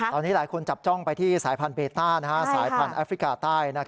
ตอนนี้หลายคนจับจ้องไปที่สายพันธุเบต้าสายพันธุ์แอฟริกาใต้